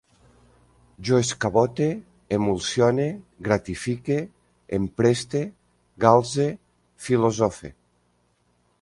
Jo escabote, emulsione, gratifique, empreste, galze, filosofe